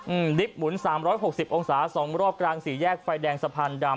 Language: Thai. อืมดริปหมุน๓๖๐องศา๒รอบกลาง๔แยกไฟแดงสะพานดำ